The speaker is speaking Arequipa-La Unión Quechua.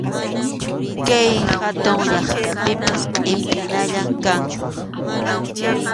Kay hatun llaqtapipas qʼipinalla kan.